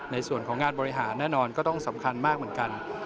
ในส่วนของงานบริหารแน่นอนก็ต้องสำคัญมากเหมือนกัน